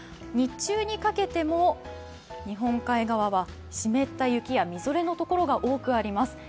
日中にかけても日本海側は湿った雪やみぞれの所が多くあります。